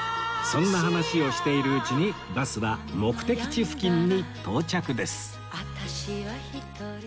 そんな話をしているうちにバスは目的地付近に到着です